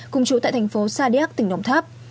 cùng chú tại thành phố sa điếc tỉnh đồng tháp